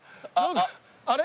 あれ？